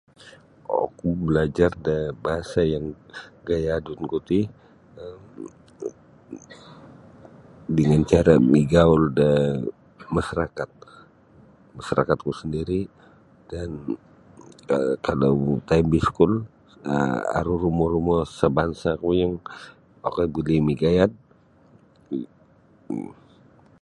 Oku balajar da bahasa yang gayadun ku ti dengan cara migaul da masyarakat masyarakat ku sendiri dan ka-kalau taim ba iskul um aru rumo-rumo sabangsa ku yang okoi buli migayad.